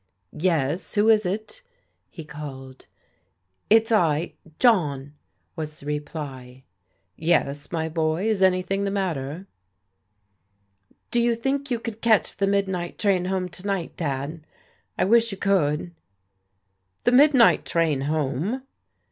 " Yes, who is it ?" he called. It's I — John," was the reply. TREVOR TRELAWNBT U7 "Yes, my boy. Is anything the matter?" "Do you think you could catch the midnight train home to night, Dad? I wish you could." " The midnight train home